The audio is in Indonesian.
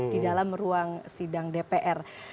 di dalam ruang sidang dpr